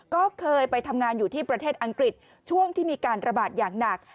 ก็เคยไปทำงานอยู่ที่ประเทศอังกฤษช่วงที่มีการระบาดอย่างหนัก